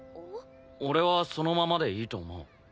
俺はそのままでいいと思う。